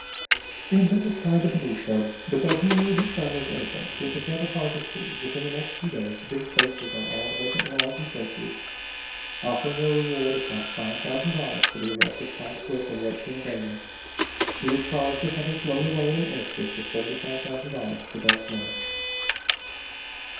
The inventor tried to believe so, but, though he knew his son was innocent, it was rather hard to see, within the next few days, big posters on all the vacant walls and fences, offering a reward of five thousand dollars for the arrest of Tom Swift and Wakefield Damon, who were charged with having flown away in an airship with seventy five thousand dollars of the bank's money.